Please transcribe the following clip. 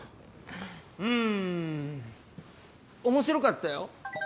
ん面白かったよ。